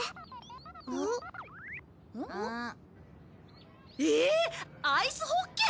ん？えっ！アイスホッケー！？